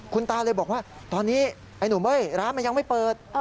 คุณตาเลยบอกว่าตอนนี้ไอ้หนุ่มเอ้ยร้านมันยังไม่เปิด